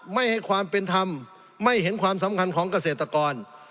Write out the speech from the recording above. ไม่ให้ความเป็นธรรมไม่เห็นความสำคัญของเกษตรกร